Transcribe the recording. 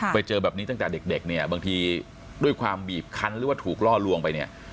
ไปเจอแบบนี้ตั้งแต่เด็กเนี่ยบางทีด้วยความบีบคันหรือว่าถูกล่อลวงไปเนี่ย